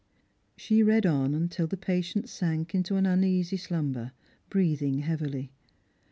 She read on till the patient sank into an uneasy slumber, breathing heavily.